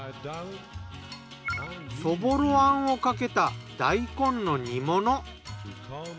そぼろあんをかけた大根の煮物。